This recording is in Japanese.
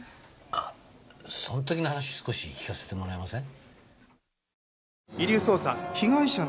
あそん時の話少し聞かせてもらえません？